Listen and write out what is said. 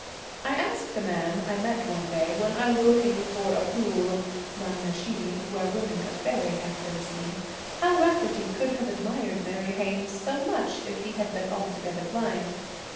1 asked a man I met one day, when I was looking for a pool na mna Sidhe where women of faery have been seen, how Raftery could have admired Mary Hynes so much if he had been altogether blind